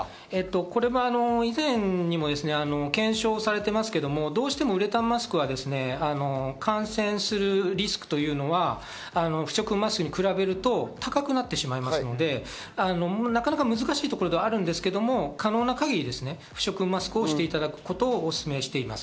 これも以前にも検証されていますけど、どうしてもウレタンマスクは感染するリスクというのは不織布マスクに比べると高くなってしまいますので、なかなか難しいところではありますけど可能な限り不織布マスクをしていただくことをおすすめしています。